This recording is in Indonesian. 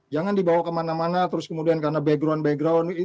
jangan dibawa kemana mana terus kemudian karena background background